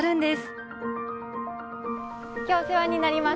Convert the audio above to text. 今日お世話になります。